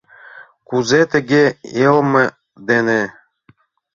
— Кузе тыге йылме дене?